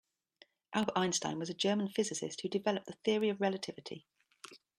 Albert Einstein was a German physicist who developed the Theory of Relativity.